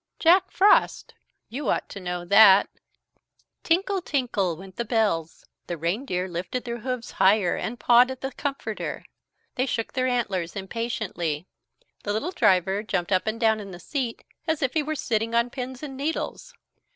"Jack Frost you ought to know that!" Tinkle, tinkle went the bells The reindeer lifted their hoofs higher and pawed at the comforter. They shook their antlers impatiently. The little driver jumped up and down in the seat as if he were sitting on pins and needles.